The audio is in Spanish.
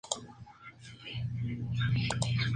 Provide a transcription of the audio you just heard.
Miembro de los Demócratas, siendo su presidente estatal.